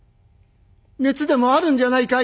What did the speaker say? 熱でもあるんじゃないかい？」。